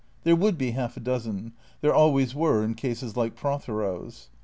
There would be half a dozen; there always were in cases like Prothero's.